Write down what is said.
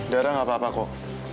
darah gak apa apa kok